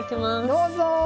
どうぞ！